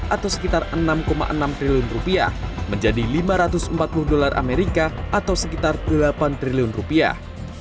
atau sekitar enam enam triliun rupiah menjadi lima ratus empat puluh dolar amerika atau sekitar delapan triliun rupiah